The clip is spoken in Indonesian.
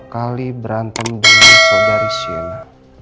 kali berantem dengan saudari shienna